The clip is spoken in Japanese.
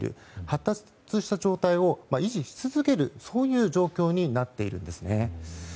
発達した状態を維持し続ける状況になっているんです。